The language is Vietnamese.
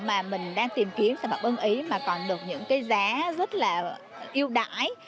mà mình đang tìm kiếm sản phẩm ưng ý mà còn được những cái giá rất là ưu đãi